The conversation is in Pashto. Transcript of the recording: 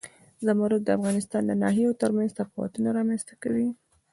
زمرد د افغانستان د ناحیو ترمنځ تفاوتونه رامنځ ته کوي.